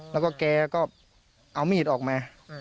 แล้วก็แกก็เอามีดออกมา